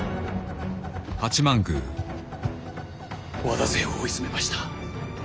和田勢を追い詰めました。